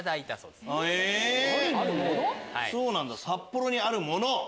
札幌にあるもの？